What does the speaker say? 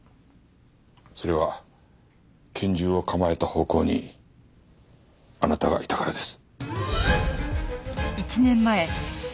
それは拳銃を構えた方向にあなたがいたからです。